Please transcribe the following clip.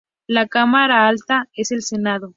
La cámara alta es el Senado.